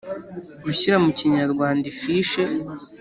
Gushyira mu Kinyarwanda ifishe